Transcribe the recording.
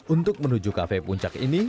untuk menuju kafe puncak ini